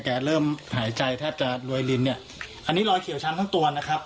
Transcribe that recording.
เริ่มหายใจแทบจะรวยลินเนี่ยอันนี้รอยเขียวช้ำทั้งตัวนะครับ